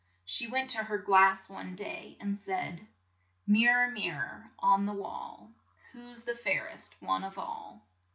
She went to her glass one day and said: " Mir ror, mir ror, on the wall, Who's the fair est one of all